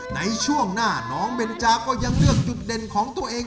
ในช่วงหน้าน้องเบนจาก็ยังเลือกจุดเด่นของตัวเอง